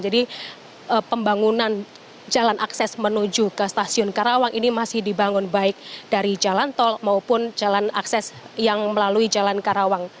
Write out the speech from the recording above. jadi pembangunan jalan akses menuju ke stasiun karawang ini masih dibangun baik dari jalan tol maupun jalan akses yang melalui jalan karawang